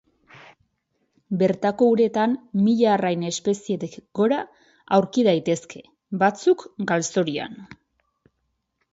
Bertako uretan mila arrain espezietik gora aurki daitezke, batzuk galzorian.